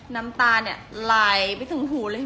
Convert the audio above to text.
น้ำตาเนี่ยไหลไปถึงหูเลย